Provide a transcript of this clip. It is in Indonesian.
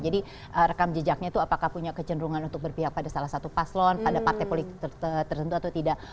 jadi rekam jejaknya itu apakah punya kecenderungan untuk berpihak pada salah satu paslon pada partai politik tertentu atau tidak